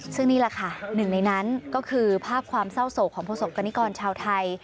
ซึ่งนี่แหละค่ะหนึ่งในนั้นก็คือภาพความเศร้าโศกของประสบกรณิกรชาวไทย